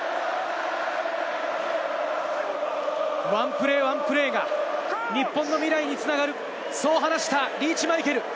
ワンプレー、ワンプレーが日本の未来に繋がる、そう話したリーチ・マイケル。